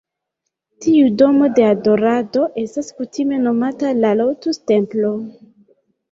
Tiu "Domo de Adorado" estas kutime nomata la "Lotus-Templo".